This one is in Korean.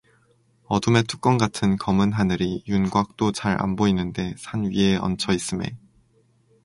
어둠의 뚜껑같은 검은하늘이 윤곽도 잘 안 보이는데 산 위에 얹혀 있으매